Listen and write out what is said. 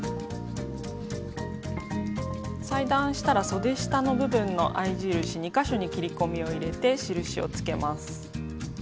裁断したらそで下の部分の合い印２か所に切り込みを入れて印をつけます。